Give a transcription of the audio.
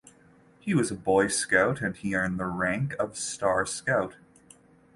He was a Boy Scout and he earned the rank of Star Scout.